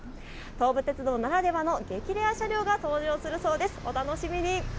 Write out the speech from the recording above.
東武鉄道ならではの激レア車両が登場するそうです、お楽しみに。